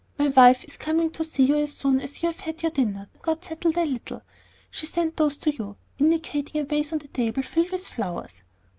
My wife is coming to see you as soon as you have had your dinner and got settled a little. She sent those to you," indicating a vase on the table, filled with flowers.